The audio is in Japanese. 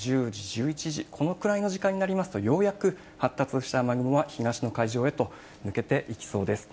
１０時、１１時、このくらいの時間になりますと、ようやく発達した雨雲は東の海上へと抜けていきそうです。